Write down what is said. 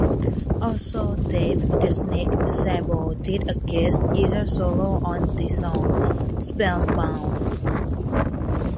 Also, Dave "The Snake" Sabo did a guest guitar solo on the song "Spellbound.